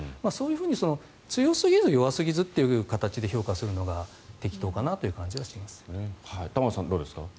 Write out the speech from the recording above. そういうふうに強すぎず弱すぎずという形で評価するのが適当かなという感じはします。